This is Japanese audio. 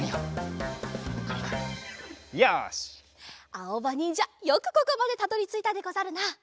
あおばにんじゃよくここまでたどりついたでござるな！